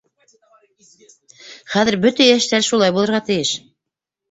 — Хәҙер бөтә йәштәр шулай булырға тейеш.